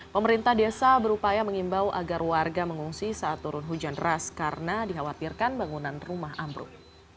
pemerintah desa berupaya mengimbau agar warga mengungsi saat turun hujan deras karena dikhawatirkan bangunan rumah ambruk